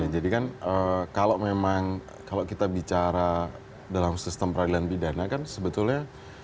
jadi kan kalau memang kalau kita bicara dalam sistem peradilan bidana kan sebetulnya